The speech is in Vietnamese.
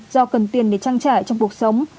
do cần tiền để trang trải trong cuộc sống